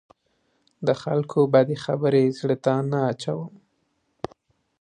د خلکو بدې خبرې زړه ته نه اچوم.